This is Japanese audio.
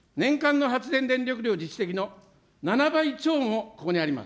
材料は年間の発電電力量的の７倍超もここにあります。